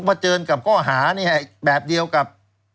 พบเจอกับกาลก็ห้านี่แบบเดียวกับ